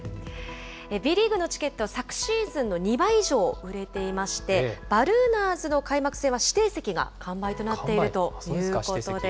Ｂリーグのチケット、昨シーズンの２倍以上売れていまして、バルーナーズの開幕戦は指定席が完売となっているということです。